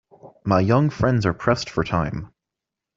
My young friends are pressed for time.